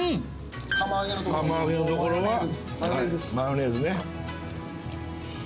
釜揚げの所はマヨネーズね。